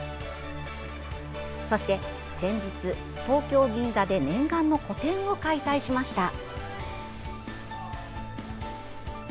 そして先日、東京・銀座で念願の個展を開催しました。